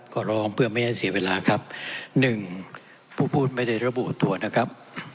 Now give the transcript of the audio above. ก็ร้องเพื่อไม่ให้เสียเวลาครับหนึ่งผู้พูดไม่ได้ระบุตัวนะครับ